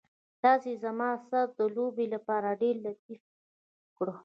تاسې زما سره د لوبې لپاره ډېر لطف وکړ.